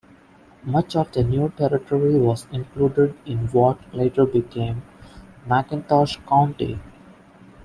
Much of their new territory was included in what later became McIntosh County.